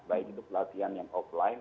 baik itu pelatihan yang offline